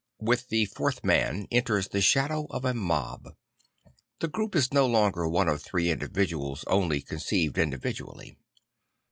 \Vith the fourth man enters the shadow of a mob; the group is no longer one of three individuals only conceived individually.